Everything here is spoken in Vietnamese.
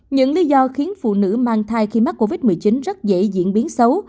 những lý do khiến phụ nữ mang thai khi mắc covid một mươi chín rất dễ diễn biến xấu